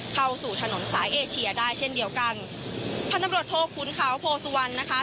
เข้าสู่ถนนสายเอเชียได้เช่นเดียวกันพันธบรวจโทขุนเขาโพสุวรรณนะคะ